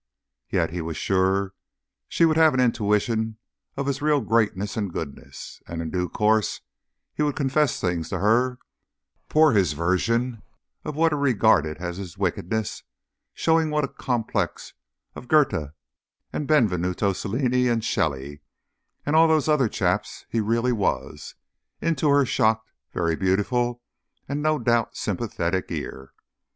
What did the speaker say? Yet he was sure she would have an intuition of his real greatness and goodness. And in due course he would confess things to her, pour his version of what he regarded as his wickedness showing what a complex of Goethe, and Benvenuto Cellini, and Shelley, and all those other chaps he really was into her shocked, very beautiful, and no doubt sympathetic ear.